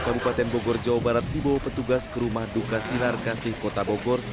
kabupaten bogor jawa barat dibawa petugas ke rumah duka sinar kasih kota bogor